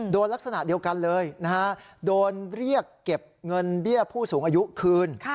ลักษณะเดียวกันเลยนะฮะโดนเรียกเก็บเงินเบี้ยผู้สูงอายุคืน